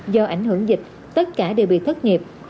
do ảnh hưởng dịch tất cả đều bị thất nghiệp